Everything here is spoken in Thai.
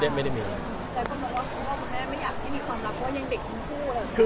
แต่ต้องบอกว่าคุณพ่อคุณแม่ไม่อยากให้มีความรักเพราะว่ายังเด็กทั้งคู่เลย